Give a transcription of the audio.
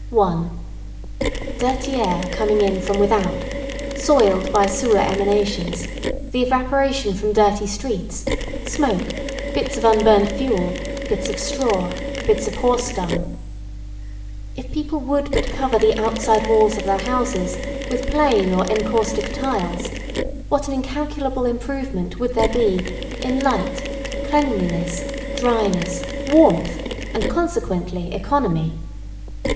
[Sidenote: Dirty air from without.] 1. Dirty air coming in from without, soiled by sewer emanations, the evaporation from dirty streets, smoke, bits of unburnt fuel, bits of straw, bits of horse dung. [Sidenote: Best kind of wall for a house.] If people would but cover the outside walls of their houses with plain or encaustic tiles, what an incalculable improvement would there be in light, cleanliness, dryness, warmth, and consequently economy.